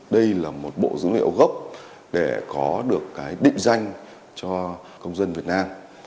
đây là một bộ dữ liệu gốc để có được cái định danh cho công dân việt nam